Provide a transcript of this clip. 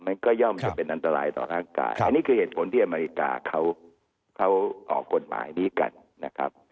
มันก็ย่อมจะเป็นอันตรายต่อร่างกายอันนี้คือเหตุผลที่อเมริกาเขาออกกฎหมายนี้กันนะครับ